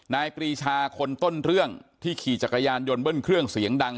ปรีชาคนต้นเรื่องที่ขี่จักรยานยนต์เบิ้ลเครื่องเสียงดัง